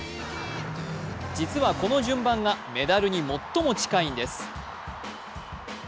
実はこの順番が、メダルに最も近いんです。